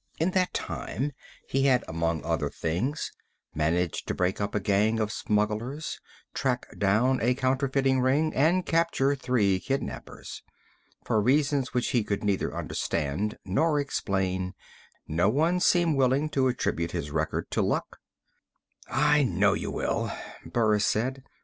In that time, he had, among other things, managed to break up a gang of smugglers, track down a counterfeiting ring, and capture three kidnapers. For reasons which he could neither understand nor explain, no one seemed willing to attribute his record to luck. "I know you will," Burris said.